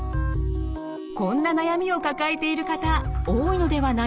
こんな悩みを抱えている方多いのではないでしょうか？